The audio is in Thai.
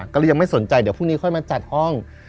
ก็เลยยังไม่สนใจเดี๋ยวพรุ่งนี้ค่อยมาจัดห้อง